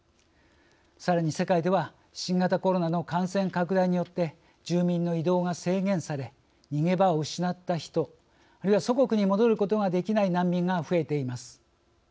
さらに世界では新型コロナの感染拡大によって住民の移動が制限され逃げ場を失った人あるいは祖国に戻ることができない難民が増えています。